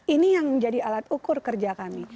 ini yang menjadi alat ukur kerja kami